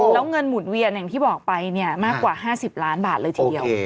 แล้วเงินหมุนเวียนอย่างที่บอกไปเนี่ยมากกว่า๕๐ล้านบาทเลยทีเดียว